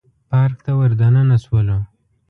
پارک ته ور دننه شولو.